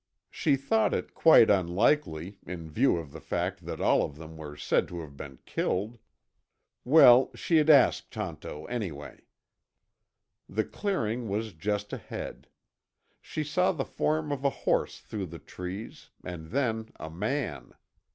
She thought it quite unlikely, in view of the fact that all of them were said to have been killed. Well, she'd ask Tonto anyway. The clearing was just ahead. She saw the form of a horse through the trees, and then a man.